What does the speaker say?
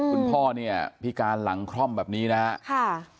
คุณพ่อเนี่ยพี่การหลังคร่อมแบบนี้นะฮะค่ะ